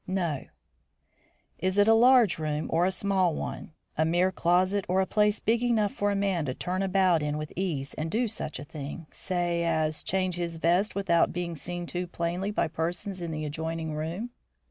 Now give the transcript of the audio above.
"No." "Is it a large room or a small one; a mere closet or a place big enough for a man to turn about in with ease and do such a thing, say, as change his vest without being seen too plainly by persons in the adjoining room?"